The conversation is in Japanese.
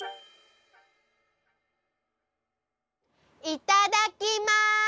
いただきます！